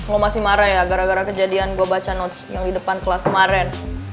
lo masih marah ya gara gara kejadian gue baca notes yang di depan kelas kemarin